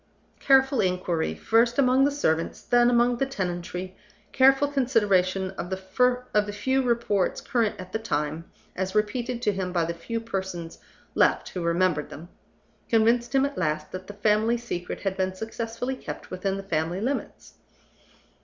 Careful inquiry, first among the servants, then among the tenantry, careful consideration of the few reports current at the time, as repeated to him by the few persons left who remembered them, convinced him at last that the family secret had been successfully kept within the family limits.